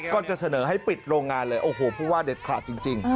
ก็จะเสนอให้ปิดโรงงานเลยโอ้โหผู้ว่าเด็ดขาดจริง